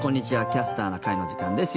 「キャスターな会」の時間です。